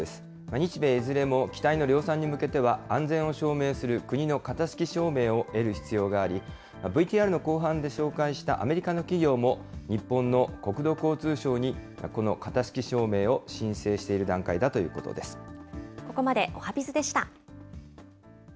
日米いずれも機体の量産に向けては、安全を証明する国の型式証明を得る必要があり、ＶＴＲの後半で紹介した、アメリカの企業も、日本の国土交通省にこの型式証明を申請している段階だということここまでおはＢｉｚでした。